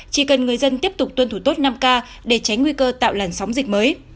chỉ cần người dân tiếp tục tuân thủ tốt năm k để tránh nguy cơ tạo làn sóng dịch mới